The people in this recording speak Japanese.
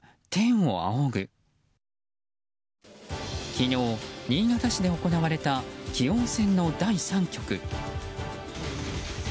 昨日、新潟市で行われた棋王戦の第３局。